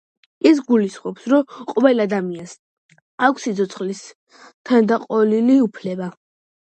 ის გულისხმობს, რომ ყოველ ადამიანს აქვს სიცოცხლის თანდაყოლილი უფლება.